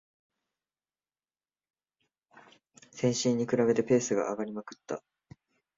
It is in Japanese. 先週に比べてペース上がりまくった